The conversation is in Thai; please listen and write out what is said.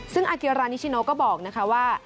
ซึ่งอาเกียรานิชิโนก็บอกนะคะว่า